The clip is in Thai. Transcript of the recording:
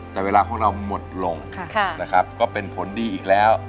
แต่เวลาของเราหมดลงนะครับก็เป็นผลดีอีกแล้ว